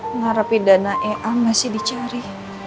mengharap dana ea masih dicari